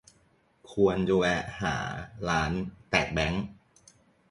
ควรจะแวะหาร้านแตกแบงค์